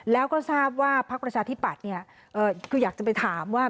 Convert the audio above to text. แล้วก็ทราบว่าพักประชาธิปัตย์คืออยากจะไปถามว่า